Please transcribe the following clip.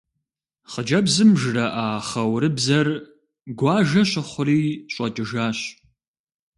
Хъыджэбзым жраӏа хъэурыбзэр гуажэ щыхъури щӏэкӏыжащ.